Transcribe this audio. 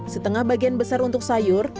setengah bagian besar untuk sayur